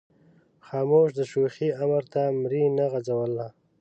خاموش د شوخۍ امر ته مرۍ نه غځوله.